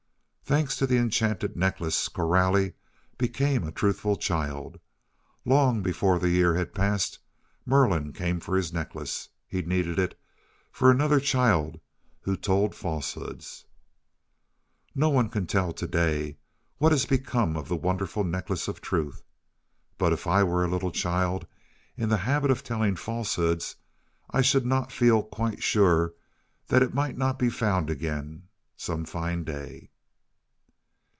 Thanks to the enchanted necklace, Coralie became a truthful child. Long before the year had passed, Merlin came for his necklace. He needed it for another child who told falsehoods. No one can tell to day what has become of the wonderful Necklace of Truth. But if I were a little child in the habit of telling falsehoods, I should not feel quite sure that it might not be found again some fine day.